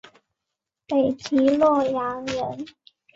北齐洛阳人。